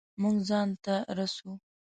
مونږ ځان ته رسو